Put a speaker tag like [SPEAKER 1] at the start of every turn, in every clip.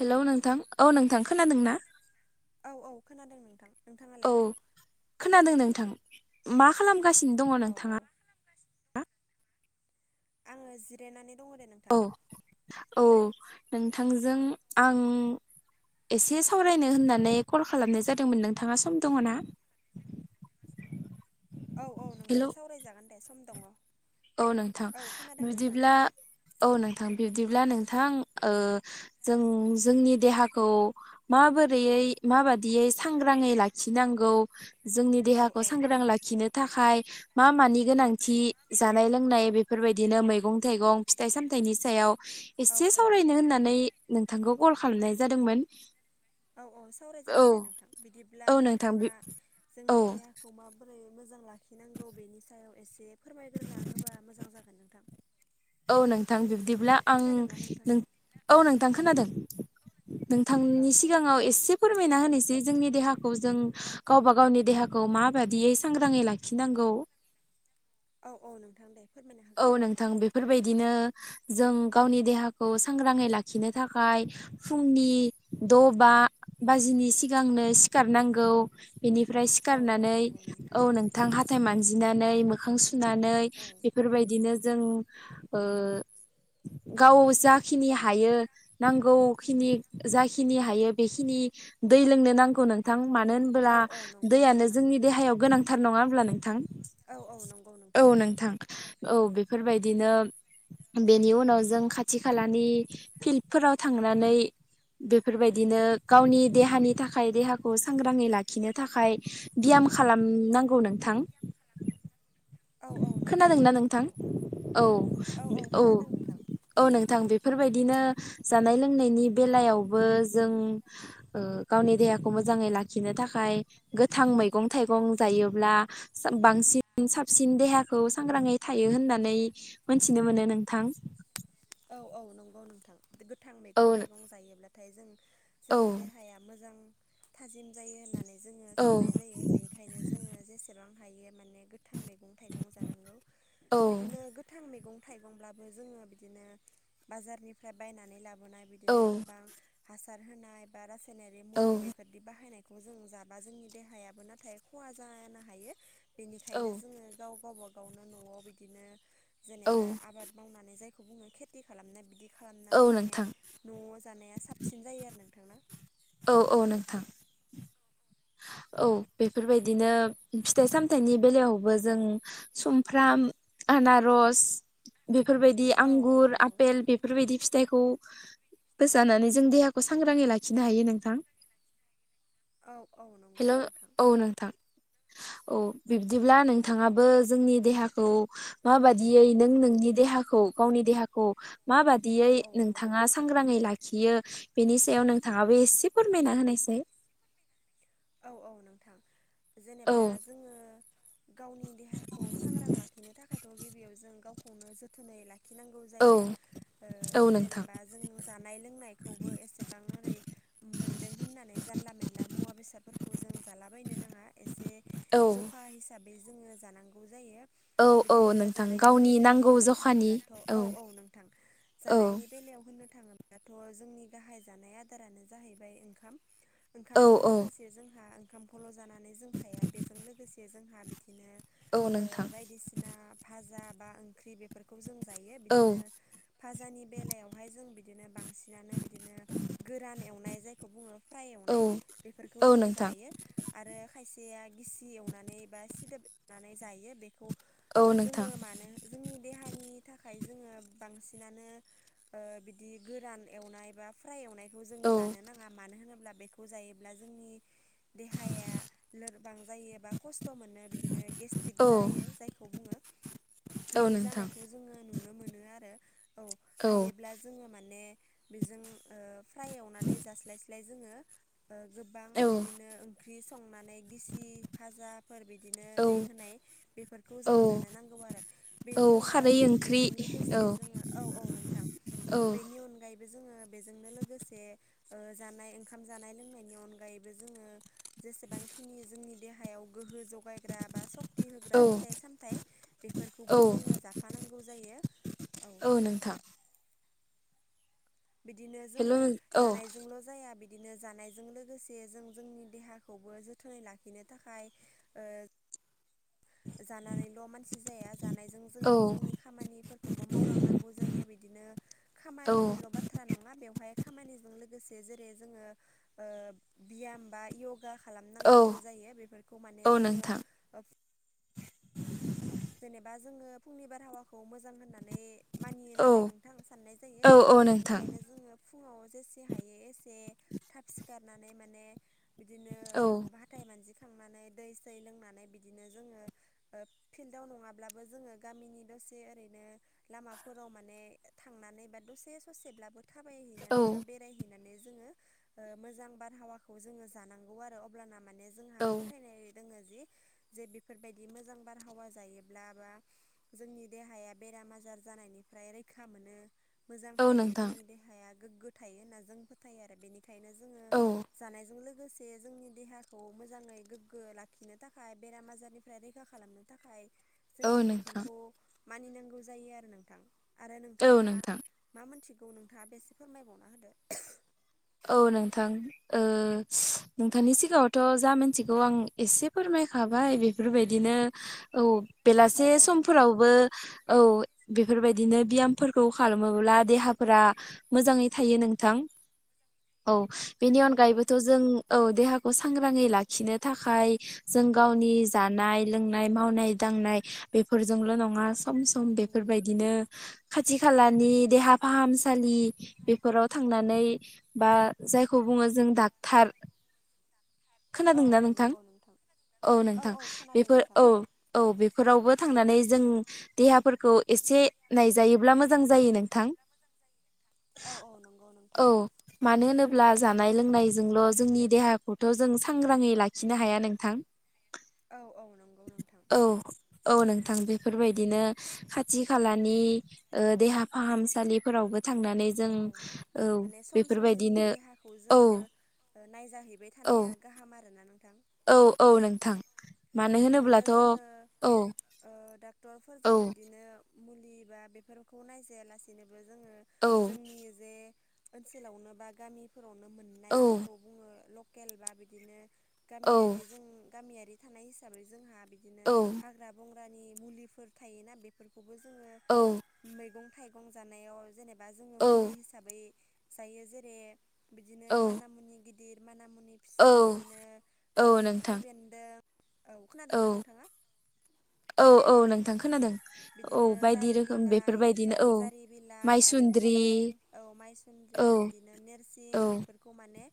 [SPEAKER 1] Hello नोंथां औ नोंथां खोनादों ना?
[SPEAKER 2] औ औ खोनादों नोंथां।
[SPEAKER 1] औ
[SPEAKER 2] नोंथाङालाय
[SPEAKER 1] खोनादों नोंथां मा खालामगासिनो दङ
[SPEAKER 2] औ औ
[SPEAKER 1] नोंथाङा?
[SPEAKER 2] आङो जिरायनानै दङ दे नोंथां
[SPEAKER 1] औ औ नोंथांजों आं एसे सावरायनो होननानै कल खालामनाय जादोंमोन नोंथाङा सम दङ ना [inaudible]
[SPEAKER 2] औ औ नोंथां
[SPEAKER 1] हेलौ
[SPEAKER 2] सावरायजागोन दे सम दङ
[SPEAKER 1] औ नोंथां
[SPEAKER 2] औ खोनादों नोंथां
[SPEAKER 1] बिदिब्ला औ नों- थां बिब्दिब्ला नोंथां जों जोंनि देहाखौ माबोरै माबाददियै सांग्राङै लाखिनांगौ जोंनि
[SPEAKER 2] औ
[SPEAKER 1] देहाखौ
[SPEAKER 2] औ
[SPEAKER 1] सांग्रां लाखिनो थाखाय मा मानि गोनांथि? जानाय लोंनाय बेफोरबायदिनो मैगं थाइगं फिथाइ सामथाइनि सायाव
[SPEAKER 2] औ
[SPEAKER 1] एसे
[SPEAKER 2] औ
[SPEAKER 1] सावरायनो होननानै नोंथांखौ कल खालामनाय जादोंमोन
[SPEAKER 2] औ औ
[SPEAKER 1] औ
[SPEAKER 2] सावरायजागोन दे नोंथां बिदिब्ला
[SPEAKER 1] औ नोंथां
[SPEAKER 2] नोंथाङा
[SPEAKER 1] औ
[SPEAKER 2] जोंनि देहाखौ माबोरै मोजां लाखिनांगौ बेनि सायाव एसे फोरमायग्रोना होबा मोजां जागोन नोंथां।
[SPEAKER 1] औ नोंथां बिब्दिब्ला आं
[SPEAKER 2] खोनादोंना नोंथां
[SPEAKER 1] औ नोंथां खोनादों।
[SPEAKER 2] औ
[SPEAKER 1] नोंथांनि
[SPEAKER 2] औ
[SPEAKER 1] सिगाङाव एसे फोर मायना होनोसै जोंनि देहाखौ जों गावबा गावनि देहाखौ माबादियै सांग्राङै लाखिनांगौ। [inaudible]
[SPEAKER 2] औ औ नोंथां दे फोरमायना
[SPEAKER 1] औ
[SPEAKER 2] होग्रोदो
[SPEAKER 1] नोंथां बेफोरबायदिनो जों गावनि देहाखौ सांग्राङै लाखिनो थाखाय फुंनि द' बा बाजिनि सिगांनो सिखारनांगौ बेनिफ्राय
[SPEAKER 2] औ औ
[SPEAKER 1] सिखारनानै
[SPEAKER 2] नंगौ
[SPEAKER 1] औ नोंथां हाथाय मानजिनानै मोखां सुनानै
[SPEAKER 2] औ
[SPEAKER 1] बेबायदिनो जों गाव जाखिनि हायो नांगौखिनि जाखिनि हायो बेखिनि दै लोंनो नांगौ नोंथां। मानो
[SPEAKER 2] औ
[SPEAKER 1] होनोब्ला
[SPEAKER 2] औ नंगौ
[SPEAKER 1] दैयानो
[SPEAKER 2] नोंथां।
[SPEAKER 1] जोंनि देहायाव गोनांथार नङा होनब्ला नोंथां
[SPEAKER 2] औ औ नंगौ नोंथां नंगौ
[SPEAKER 1] औ बेफोरबायदिनो बेनि उनाव जों खाथि खालानि फिल्डफोराव थांनानै बेफोरबायदिनो गावनि देहानि थाखाय देहाखौ सांग्राङै लाखिनो थाखाय बियाम ख खालामनांगौ नोंथां
[SPEAKER 2] औ औ नंगौ
[SPEAKER 1] खोनादोंनाा नोंथां
[SPEAKER 2] नंगौ।
[SPEAKER 1] औ औ औ नोंथां बेफोरबाय- दिनो जानाय लोंनायनि बेलायावबो जों गावनि देहाखौ मोजाङै लाखिनो थाखाय गोथां मैगं थाइगं जायोब्ला बांसिन साबसिन देहाखौ सांग्राङै थायो होननानै मोनथिनो मोनो नोंथां
[SPEAKER 2] औ औ नंगौ नोंथां गोथां
[SPEAKER 1] औ
[SPEAKER 2] मैगं थाइगं जायोब्लाथाय जों
[SPEAKER 1] औ
[SPEAKER 2] जोंनि देहाया मोजां थाजिम जायो होननानै जोङो
[SPEAKER 1] औ
[SPEAKER 2] साननाय जायो बेनिखायनो जोङो जेसेबां हायो माने गो थां मैगं थाइगं जानांगौ
[SPEAKER 1] औ
[SPEAKER 2] बिदिनो गोथां मैगं थाइगंब्लाबो जोङो बिदिनो बाजारनिफ्राय बायनानै लाबोनाय
[SPEAKER 1] औ
[SPEAKER 2] बिदिनो गोबां हासार होनाय बा जेनेरिक मुलि
[SPEAKER 1] औ
[SPEAKER 2] बेफोरदि बाहायनाय खौ जों जाबा जोंनि देहायाबो नाथाय खहा जानो हायो
[SPEAKER 1] औ
[SPEAKER 2] बेनिखायनो जोङो गावबा गावनो न'आव बिदिनो
[SPEAKER 1] औ
[SPEAKER 2] जेनेबा आबाद मावनानै जायखौ बुङो खेथि खालामनाय बिदि
[SPEAKER 1] औ
[SPEAKER 2] खालामनानै माने
[SPEAKER 1] नोंथां
[SPEAKER 2] न'आव जानाया साबसिन जायो आरो नोंथांना
[SPEAKER 1] औ औ नोंथां। औ बेफोरबायदिनो फिथाइ सामथाइनि बेलायावबो जों सुमफ्राम आनारस बेफोरबायदि
[SPEAKER 2] औ औ
[SPEAKER 1] आंगुर
[SPEAKER 2] नंगौ
[SPEAKER 1] आपेल
[SPEAKER 2] नोंथां
[SPEAKER 1] बेफोरबायदि फिथाइखौ फोसानानै जों देहाखौ सांग्राङै लाखिनो हायो नोंथां।
[SPEAKER 2] औ औ नंगौ
[SPEAKER 1] हेलौ
[SPEAKER 2] नोंथां।
[SPEAKER 1] औ नोंथां औ बिब्दिब्ला नोंथाङाबो जोंनि देहाखौ माबादियै नों नोंनि देहा देहाखौ गावनि देहाखौ मा
[SPEAKER 2] औ
[SPEAKER 1] बाददियै
[SPEAKER 2] औ नंगौ
[SPEAKER 1] नोंथाङा
[SPEAKER 2] नोंथां
[SPEAKER 1] सांग्राङै लाखियो बेनि सायाव नोंथाङाबो एसे फोरमायना होनायसाय
[SPEAKER 2] औ औ नोंथां
[SPEAKER 1] औ
[SPEAKER 2] जेनेब्ला जोङो गावनि देहाखौ सांग्रां लाखिनो थाखायथ' गिबियाव जों गावखौनो जोथोनै लाखि लाखिनांगौ
[SPEAKER 1] औ
[SPEAKER 2] जायो ओ
[SPEAKER 1] औ नोंथां
[SPEAKER 2] जेनेबा जों जानाय लोंनायखौबो एसेबां ओरै मोनदों होननानै जानला मेनला मुवा बेसाद फोरखौ जों जालाबायनो नाङा एसे
[SPEAKER 1] औ
[SPEAKER 2] जखा हिसाबै जोङो जानांगौ जायो
[SPEAKER 1] औ। औ
[SPEAKER 2] बिदिनो
[SPEAKER 1] नोंथां
[SPEAKER 2] जानायनि
[SPEAKER 1] गावनि
[SPEAKER 2] बेलायाव
[SPEAKER 1] नांगौ
[SPEAKER 2] होननो
[SPEAKER 1] जखानि
[SPEAKER 2] थाङोब्लाथ' औ औ नोंथां
[SPEAKER 1] औ
[SPEAKER 2] जानायनि बेलायाव होननो थाङोब्लााथ' जोंनि गाहाय जानाय आदारानो जाहैबाय ओंखाम
[SPEAKER 1] औ
[SPEAKER 2] ओंखामजों
[SPEAKER 1] औ
[SPEAKER 2] लोगोसे जोंहा ओंखामखौल' जानानै जों थाया बेजों लोगोसे जोंहा बि बिदिनो
[SPEAKER 1] औ नोंथां
[SPEAKER 2] बायदिसिना भाजा बा ओंख्रि बेफोरखौ जों जायो
[SPEAKER 1] औ
[SPEAKER 2] बिदिनो भाजानि बेलायावहाय जों बिदिनो बांसिनानो बिदिनो गोरान एवनाय जायखौ बुङो फ्राय
[SPEAKER 1] औ
[SPEAKER 2] एवनाय बेफोरखौ खौ
[SPEAKER 1] औ
[SPEAKER 2] जों
[SPEAKER 1] नोंथां
[SPEAKER 2] जायो आरो खायसेया गिसि एवनानै बा सिदोब एवनानै जायो बेखौ
[SPEAKER 1] औ नोंथां
[SPEAKER 2] जोङो माने जोंनि देहानि थाखाय जोङो बांसिनानो बिदि गोरान एवनाय बा फ्राइ एवनाय बेखौ जों
[SPEAKER 1] औ
[SPEAKER 2] जानो नाङा मानो होनोब्ला बेखौ जायोब्ला जोंनि देहाया लोरबां जायो एबा खस्थ' मोनो बिदिनो गेस्ट्रिक
[SPEAKER 1] औ
[SPEAKER 2] जायो जायखौ बुङो
[SPEAKER 1] [inaudible]
[SPEAKER 2] बिदि
[SPEAKER 1] नोंथां
[SPEAKER 2] जानायखौ जोङो नुनो मोनो आरो औ हायोब्ला जोङो माने बेजों फ्राय एवनानै जास्लायस्लाय जोङो गोबां
[SPEAKER 1] औ
[SPEAKER 2] बिदिनो ओंख्रि नानै गिसि फाजाफोर बिदिनो
[SPEAKER 1] औ
[SPEAKER 2] दै होनाय बेफोरखौ
[SPEAKER 1] औ
[SPEAKER 2] जों जानो नांगौ आरो
[SPEAKER 1] औ
[SPEAKER 2] बेनि
[SPEAKER 1] खारै
[SPEAKER 2] अनगायैबो
[SPEAKER 1] ओंख्रि
[SPEAKER 2] बेजों लोगोसे
[SPEAKER 1] औ
[SPEAKER 2] जोङो औ औ नोंथां
[SPEAKER 1] औ
[SPEAKER 2] बेनि अनगायैबो जोङो बेजोंनो लोगोसे जानाय ओंखाम जानाय लोंनायनि बेनि अनगायैबो जोङो जेसेबांखिनि जोंनि देहायाव गोहो जगायग्रा बा सक्ति
[SPEAKER 1] औ
[SPEAKER 2] होग्रा फिथाइ सामथाइ
[SPEAKER 1] औ
[SPEAKER 2] बेफोरखौबो जोङो जाफानांगौ जायो
[SPEAKER 1] औ नोंथां
[SPEAKER 2] बिदिनो जोङो
[SPEAKER 1] हेलौ औ
[SPEAKER 2] जानायजोंल' जाया बिदि बिदिनो जानायजों लोगोसे जों जोंनि देहाखौबो जोथोनै लाखिनो थाखाय जानानैल' मानसि जाया जानायजों जों
[SPEAKER 1] औ
[SPEAKER 2] जोंनि खामानिफोरखौबो मावलांनांगौ जायो बिदिनो बिनो
[SPEAKER 1] औ
[SPEAKER 2] खामानिनिल' बाथ्रा नङा बेवहाय खामानिजों लोगोसे जेरै जोङो बियाम बा यगा
[SPEAKER 1] औ
[SPEAKER 2] खालामनांगौ जायो बेफोरखौ माने
[SPEAKER 1] औ
[SPEAKER 2] जोङो
[SPEAKER 1] नोंथां [inaudible]
[SPEAKER 2] जेनेबा जोङो फुंनि बारहावाखौ मोजां होननानै मानियो
[SPEAKER 1] औ
[SPEAKER 2] नालाय नोंथां साननाय जायो
[SPEAKER 1] औ औ नोंथां
[SPEAKER 2] बेनिखायनो जोङो फुङाव जेसे हायो एसे थाब सिखारनानै माने बिदिनो
[SPEAKER 1] औ
[SPEAKER 2] हाथाय मानजिखांनानै दै सै लोंनानै बिदिनो जोङो। फिल्डआव नङाब्लाबो जोङो गामिनि दसे ओरैनो लामाफोराव माने थांनानै बा ससे ससेब्लाबो थाबायहैनानै
[SPEAKER 1] औ
[SPEAKER 2] बा बेरायहै माने जोङो मोजां बार हावाखौ जोङो जानांगौ आरो अब्लाना। माने जोंहा
[SPEAKER 1] औ
[SPEAKER 2] फोथायनाय दोङो जि बिफोरबायदि मोजां बथ्रा। बारहावा जायोब्ला बा जोंनि देहाया बेराम आजार जानायनिफ्राय रैखा मोनो। मोजां थायो
[SPEAKER 1] नोंथां
[SPEAKER 2] जोंनि देहाया गोग्गो थायो होनना जों फोथायो आरो बेनिखाय। बेखायनो जोङो
[SPEAKER 1] औ
[SPEAKER 2] जानायजों लोगोसे जोंनि देहाखौ मोजाङै गोग्गो लाखिनो थाखाय बेराम आजारनिफ्राय रैखा खालामनो। थाखाय जोङो
[SPEAKER 1] औ नोंथां
[SPEAKER 2] बेफोरखौ मानिनांगौ जायो आरो नोंथां। आरो
[SPEAKER 1] औ
[SPEAKER 2] नोंथाङा
[SPEAKER 1] नोंथां
[SPEAKER 2] मा मोनथिगौ नोंथाङा बेसे फोरमायबावना होदो।
[SPEAKER 1] औ नोंथां ओ नोंथांनि सिगाङावथ' जा मोनथिगौ आं एसे फोरमा य खाबाय बेफोरबायदिनो औ
[SPEAKER 2] औ
[SPEAKER 1] बेलासे
[SPEAKER 2] औ नोंथां
[SPEAKER 1] समफोरावबो औ। बेफोरबायदिनो बियामफोरखौ खालामोब्ला देहाफोरा मोजाङै थायो नोंथां। औ बेनि
[SPEAKER 2] औ औ
[SPEAKER 1] अनगायैबोथ' जों औ देहा खौ सांग्राङै लाखिनो थाखाय जों गावनि जानाय लोंनाय मावनाय दांनाय। बेफोरजोंल' नङा सम सम
[SPEAKER 2] उम उम
[SPEAKER 1] बेफोरबायदिनो। खाथि खालानि देहा फाहामसालि बेफोराव थांनानै। बा जायखौ बुङो जों डाक्टार।
[SPEAKER 2] औ
[SPEAKER 1] खोनादोंना
[SPEAKER 2] औ
[SPEAKER 1] नोंथां?
[SPEAKER 2] नंगौ
[SPEAKER 1] औ नोंथां बेफोर औ औ बेफोरावबो। थांनानै जों देहाफोरखौ एसे नायजायोब्ला मोजां जायो नोंथां।
[SPEAKER 2] औ औ नंगौ
[SPEAKER 1] औ
[SPEAKER 2] नोंथां।
[SPEAKER 1] मानो होनोब्ला जानाय लोंनायजोंल' जोंनि देहाखौथ' जों सांग्राङै लाखिनो हाया नोंथां।
[SPEAKER 2] औ औ नंगौ नोंथां।
[SPEAKER 1] औ औ नोंथां बेफोरबायदिनो खाथि खालानि ओ देहा फाहामसालिफोरावबो। थांनानै जों औ।
[SPEAKER 2] माने सम सम जोंनि
[SPEAKER 1] बेफोरबायदिनो
[SPEAKER 2] देहाखौ
[SPEAKER 1] औ
[SPEAKER 2] जोङो नायजाहैबाय
[SPEAKER 1] औ
[SPEAKER 2] थानाया गाहाम आरोना नोंथां।
[SPEAKER 1] औ औ नोंथां। मानो
[SPEAKER 2] बिदिनो
[SPEAKER 1] होनोब्लाथ' औ
[SPEAKER 2] जोङो
[SPEAKER 1] औ
[SPEAKER 2] ओ डक्टरफोरजों
[SPEAKER 1] औ
[SPEAKER 2] बिदिनो मुलि बा बेफोरखौ नायजायालासिनोबो जोङो
[SPEAKER 1] औ
[SPEAKER 2] जोंनि जे ओनसोलावनो बा गामिफोरावनो
[SPEAKER 1] औ
[SPEAKER 2] मोननाय जायखौ बुङो लकेल बा बिदिनो।
[SPEAKER 1] औ
[SPEAKER 2] गामियारि जों गामियारि थानाय हिसाबै जोंहा बिदिनो
[SPEAKER 1] औ
[SPEAKER 2] हाग्रा बं ग्रानि मुलिफोर थायोना बेफोरखौबो जोङो मैगं थाइगं जानायाव जेने बा जोङो
[SPEAKER 1] औ
[SPEAKER 2] मुलि हिसाबै जायो जेरै बिदिनो
[SPEAKER 1] औ
[SPEAKER 2] माना मुनि गिदिर माना मु नि फिसा
[SPEAKER 1] औ
[SPEAKER 2] बिदिनो ओ
[SPEAKER 1] औ
[SPEAKER 2] खिफि
[SPEAKER 1] नोंथां
[SPEAKER 2] बेन्दों औ खोनादोंना
[SPEAKER 1] औ
[SPEAKER 2] नोंथाङा?
[SPEAKER 1] औ औ नोंथां खोनादों। औ
[SPEAKER 2] बिदिनो
[SPEAKER 1] बायदि
[SPEAKER 2] जारि
[SPEAKER 1] रोखोम
[SPEAKER 2] बिलाइ औ
[SPEAKER 1] बेफोरबायदिनो
[SPEAKER 2] जारि बिलाइ आरो
[SPEAKER 1] माइसुन्द्रि
[SPEAKER 2] फालें औ मायस
[SPEAKER 1] औ
[SPEAKER 2] द्रि बिदिनो
[SPEAKER 1] औ
[SPEAKER 2] नेरसिं बेफोरखौ माने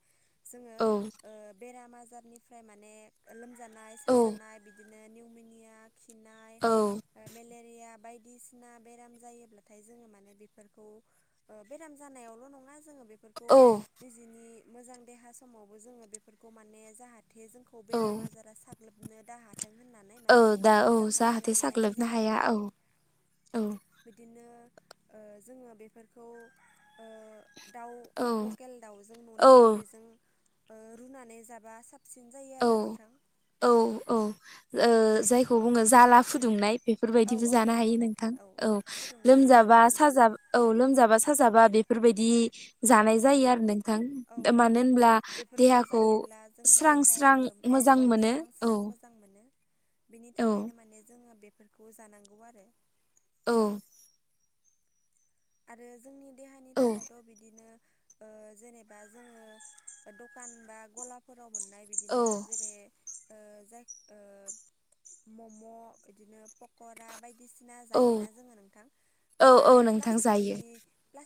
[SPEAKER 2] जोङो
[SPEAKER 1] औ
[SPEAKER 2] ओ बेराम आजारनिफ्राय माने लोमजानाय
[SPEAKER 1] औ
[SPEAKER 2] साजानाय बिदि नो निउमिनिया खिना
[SPEAKER 1] औ
[SPEAKER 2] मेलेरिया बायदिसिना बेराम जायोब्लाथाय जोङो माने बेफोरखौ ओ बेराम जानायाव। ल' नङा जोङो बेफोरखो
[SPEAKER 1] औ
[SPEAKER 2] निजिनि मोजां देहा समावबो जोङो बेफोरखो माने जाहा थे जोंखौ बेराम
[SPEAKER 1] औ
[SPEAKER 2] आजारा साग्लोबनो दाहार
[SPEAKER 1] औ दा औ जाहाथे
[SPEAKER 2] लानाया मोजां
[SPEAKER 1] साग्लोबनो हाया
[SPEAKER 2] आरो
[SPEAKER 1] औ औ।
[SPEAKER 2] बिदिनो ओ जोङो बेफोरखौ ओ दाउ
[SPEAKER 1] औ
[SPEAKER 2] लकेल दाउजों
[SPEAKER 1] औ
[SPEAKER 2] न'नि बेजों ओ रुनानै जाबा साब
[SPEAKER 1] औ औ औ ओ जायखौ बुङो जाला फुदुंनाय
[SPEAKER 2] औ
[SPEAKER 1] बेफोरबायदिबो
[SPEAKER 2] औ
[SPEAKER 1] जानो
[SPEAKER 2] नंगौ
[SPEAKER 1] हायो नोंथां, औ
[SPEAKER 2] फुदुंनानै
[SPEAKER 1] लोमजाबा
[SPEAKER 2] जानांगौ
[SPEAKER 1] साजा औ लोमजाबा साजाबा बेफोरबायदि
[SPEAKER 2] औ
[SPEAKER 1] जानाय
[SPEAKER 2] औ
[SPEAKER 1] जायो आरो नोंथां
[SPEAKER 2] औ औ
[SPEAKER 1] मानो
[SPEAKER 2] औ
[SPEAKER 1] होनब्ला
[SPEAKER 2] बेफोरखौ
[SPEAKER 1] देहाखौ
[SPEAKER 2] जायोब्ला जोंनि
[SPEAKER 1] स्रां स
[SPEAKER 2] देहायाबो औ
[SPEAKER 1] मोजां
[SPEAKER 2] औ
[SPEAKER 1] मोनो औ
[SPEAKER 2] बिनि
[SPEAKER 1] औ
[SPEAKER 2] थाखायनो माने जोङो बेफोरखौ जानांगौ आरो
[SPEAKER 1] औ
[SPEAKER 2] आरो जोंनि देहानि
[SPEAKER 1] औ
[SPEAKER 2] थाखायथ' बिदिनो ओ जेनेबा जोङो दखान बा गलाफोराव मोननाय बिदिनो जेरै ओ जाय ओ मम' बिदिनो पक'रा बायदि बायदिसिना
[SPEAKER 1] औ
[SPEAKER 2] जायोना जोङो नोंथां बे
[SPEAKER 1] औ औ
[SPEAKER 2] आरो प्लास
[SPEAKER 1] नोंथां जायो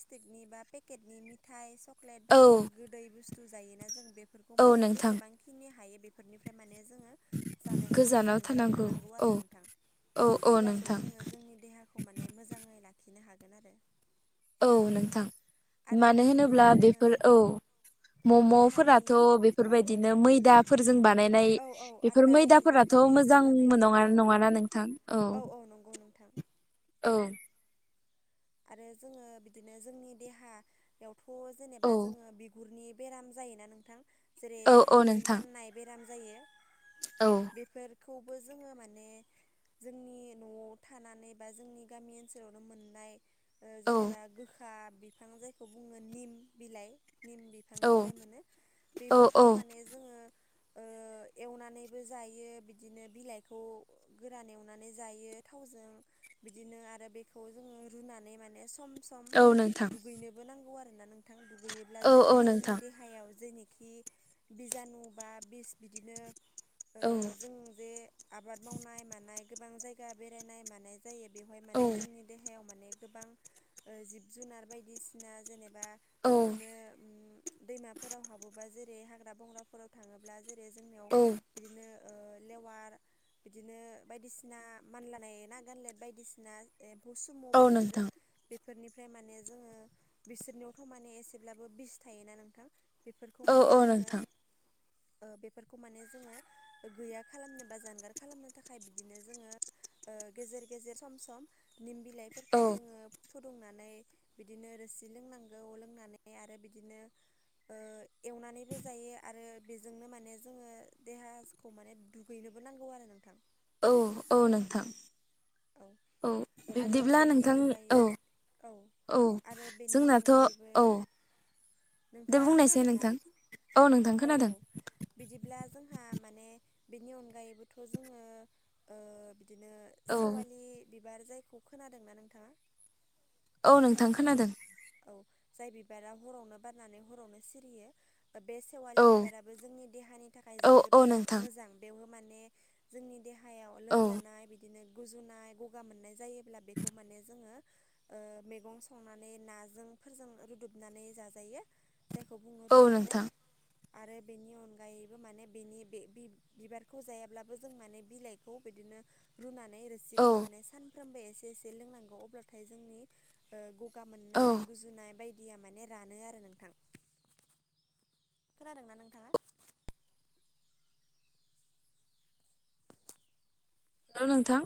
[SPEAKER 2] केटनि बा पेकेटनि मिटाय सक्लेट
[SPEAKER 1] औ
[SPEAKER 2] बायदि गोदै बुस्थु जायोना जों बे बेफोरखौ
[SPEAKER 1] औ
[SPEAKER 2] माने
[SPEAKER 1] नोंथां
[SPEAKER 2] जेसेबांखिनि हायो बेफोरनिफ्राय माने जोङो जानायनिफ्राय
[SPEAKER 1] गोजानाव
[SPEAKER 2] जानगाराव थानांगौ
[SPEAKER 1] औ
[SPEAKER 2] आरो नोंथां
[SPEAKER 1] औ औ
[SPEAKER 2] अब्लासो
[SPEAKER 1] नोंथां
[SPEAKER 2] जोङो जोंनि देहाखौ माने मोजाङै लाखिनो हागोन आरो
[SPEAKER 1] औ नोंथां
[SPEAKER 2] आरो
[SPEAKER 1] मानो
[SPEAKER 2] बिदिनो
[SPEAKER 1] होनोब्ला
[SPEAKER 2] जोङो
[SPEAKER 1] बेफोर औ
[SPEAKER 2] देहानि
[SPEAKER 1] मम'फोराथ'
[SPEAKER 2] औ औ
[SPEAKER 1] बेफोरबायदिनो मैदाफोरजों बानायनाय
[SPEAKER 2] औ औ
[SPEAKER 1] बेफोर
[SPEAKER 2] आटा मैदा
[SPEAKER 1] मैदाफोराथ' खौ
[SPEAKER 2] बायदिजों
[SPEAKER 1] मोजां मोन
[SPEAKER 2] बानायनाय औ
[SPEAKER 1] नङाना नोंथां औ औ
[SPEAKER 2] आरो जोङो बिदिनो जोंनि देहा यावथ' जेनेबा
[SPEAKER 1] औ
[SPEAKER 2] जोङो बिगुरनि बेराम जायोना नोंथां जेरै
[SPEAKER 1] औ औ
[SPEAKER 2] बिगुरनि
[SPEAKER 1] नोंथां
[SPEAKER 2] माननाय बेराम जायो
[SPEAKER 1] औ
[SPEAKER 2] बेफोरखौबो जोङो माने जोंनि न'आव थानानै बा जोंनि गामि ओनसोलावनो मोननाय ओ
[SPEAKER 1] औ
[SPEAKER 2] जेनेबा गोखा बिफां जायखौ बुङो निम बिलाइ निम
[SPEAKER 1] औ
[SPEAKER 2] बिफांनिफ्राय मोनो
[SPEAKER 1] औ औ
[SPEAKER 2] बेफोरखौ माने जोङो ओ एवनानैबो जायो बिदिनो बिलाइखौ गोरान एवनानै जायो थावजों बिदिनो आरो बेखौ जोङो रुनानै माने सम सम
[SPEAKER 1] औ नोंथां
[SPEAKER 2] दुगैनोबो नांगौ आरोना नोंथां थां दुगैयोब्ला
[SPEAKER 1] औ औ
[SPEAKER 2] माने जोंनि
[SPEAKER 1] नोंथां
[SPEAKER 2] देहायाव जोंनि खि बिजानु बा बिस बिदिनो ओ
[SPEAKER 1] औ
[SPEAKER 2] जों जे आबाद मावनाय मानाय गोबां जायगा बेरायनाय मानाय जायो बेयावहाय
[SPEAKER 1] औ
[SPEAKER 2] माने जोंनि देहायाव माने गोबां जिब जुनार बायदिसिना जेनोब बा
[SPEAKER 1] औ
[SPEAKER 2] बिदिनो उम दैमाफोराव हाबोबा जेरै हाग्रा बंग्राफोराव थाङोब्ला जे जे जोंनियाव
[SPEAKER 1] औ
[SPEAKER 2] बिदिनो ओ लेवार बिदिनो बायदिसिना मानला नाय ना गानलेद बायदिसिना एब उसुमु
[SPEAKER 1] औ
[SPEAKER 2] बि
[SPEAKER 1] नोंथां
[SPEAKER 2] बेफोरनिफ्राय माने जोङो बिसोरनियावथ' माने एसेब्लाबो बिस थायोना नोंथां बेफोरखौ
[SPEAKER 1] औ
[SPEAKER 2] माने
[SPEAKER 1] औ
[SPEAKER 2] जोङो
[SPEAKER 1] नोंथां
[SPEAKER 2] ओ बेफोरखौ माने जोङो गैया खालामनो बा जानगार खालामनो थाखाय बिदिनो जोङो ओ गेजेर गेजेर सम सम निमबि खौ
[SPEAKER 1] औ
[SPEAKER 2] जोङो फुदुंनानै बिदिनो रोसि लोंनांगौ लोंनानै आरो बिदिनो ओ एवनानैबो जायो आरो बेजोंनो माने जोङो देहासखौ माने दुगै लोब बो नांगौ आरो नोंथां
[SPEAKER 1] औ औ नोंथां औ
[SPEAKER 2] आरो
[SPEAKER 1] बिब्दिब्ला
[SPEAKER 2] बेनि
[SPEAKER 1] नोंथां औ
[SPEAKER 2] अनगायै
[SPEAKER 1] औ
[SPEAKER 2] आरो बेनि
[SPEAKER 1] जोंनाथ'
[SPEAKER 2] अनगायैबो
[SPEAKER 1] औ दे
[SPEAKER 2] नोंथाङा
[SPEAKER 1] बुंनायसाय
[SPEAKER 2] खोनादोंना
[SPEAKER 1] नोंथां नोंथां
[SPEAKER 2] औ औ
[SPEAKER 1] खोनादों
[SPEAKER 2] बिदिब्ला जोंहा माने बेनि अनगायैबोथ' जोङो ओ बिदिनो
[SPEAKER 1] औ
[SPEAKER 2] सेवालि बिबार जायखौ खोनादोंना नोंथाङा
[SPEAKER 1] औ नोंथां खोनादों
[SPEAKER 2] औ जाय बिबारा हरावनो बारनानै हरावनो सिरियो बे सेवालि
[SPEAKER 1] औ
[SPEAKER 2] बिबाराबो जोंनि देहानि थाखाय
[SPEAKER 1] औ
[SPEAKER 2] जोबोद
[SPEAKER 1] औ
[SPEAKER 2] मोना
[SPEAKER 1] नोंथां
[SPEAKER 2] मोजां बेवो माने जोंनि देहायाव
[SPEAKER 1] औ
[SPEAKER 2] लोमजानाय बिदिनो गुजुनाय गगा मोननाय जायो ब्ला बेखौ माने जोंङो ओ मेगं संनानै ना फोरजों रुदबनानै जाजायो जायखौ बुंङो
[SPEAKER 1] औ
[SPEAKER 2] रुदुबनाय
[SPEAKER 1] नोंथां
[SPEAKER 2] आरो बेनि अनगायैबो माने बेनि बे बि-बिबारखौ जायाब्लाबो जों माने बिलाइखौ बिदि नो रुनानै नानि
[SPEAKER 1] औ
[SPEAKER 2] रोसिखौ माने सानफ्रोमबो एसे-एसे लोंनांगौ अब्लाथाय जोंनि ओ गगा
[SPEAKER 1] औ
[SPEAKER 2] मोननाय नायबादिया माने रानो आरो नोंथां खोनादोंना नोंथाङा
[SPEAKER 1] हेलौ नोंथां